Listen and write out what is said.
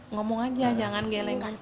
ngomong aja jangan geleng